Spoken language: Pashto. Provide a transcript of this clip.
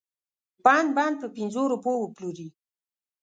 بند بند په پنځو روپو وپلوري.